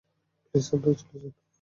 Please আপনারা চলে যান।